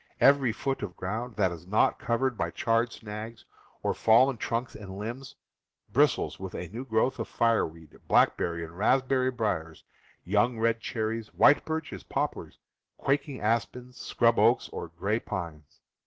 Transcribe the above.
Every foot of ground that is not covered by charred snags, or fallen trunks and limbs, bristles with a new growth of fireweed, blackberry and raspberry briers, young red cherries, white birches, poplars, quaking aspens, scrub oaks, or gray pines.